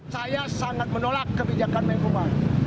saya sangat menolak kebijakan menteri yasona